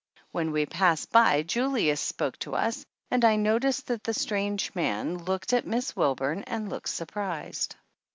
When we passed by Julius spoke to us and I noticed that the strange man looked at Miss Wilburn and looked surprised.